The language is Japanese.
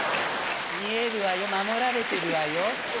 見えるわよ守られてるわよ。